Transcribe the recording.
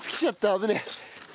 危ねえ！